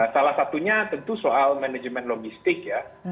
salah satunya tentu soal manajemen logistik ya